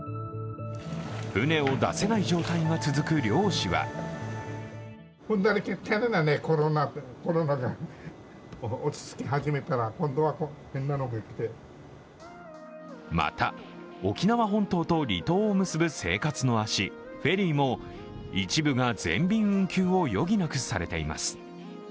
船を出せない状態が続く漁師はまた、沖縄本島と離島を結ぶ生活の足、フェリーも一部が全便運休を余儀なくされています。